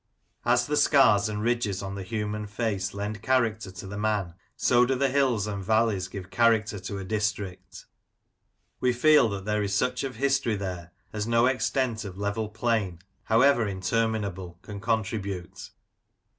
As the scars and ridges on the human face lend character to the man, so do the hills and valleys give character to a district. We feel that there is such of history there as no extent of level plain, however interminable, can contribute.